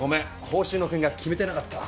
報酬の金額決めてなかった。